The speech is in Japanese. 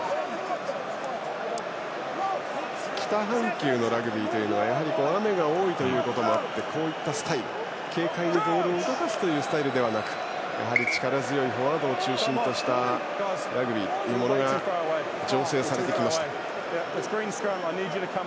北半球のラグビーというのは雨が多いこともあってこうしたスタイル軽快にボールを動かすスタイルではなくやはり力強いフォワードを中心としたラグビーが醸成されてきました。